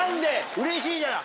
うれしいじゃない！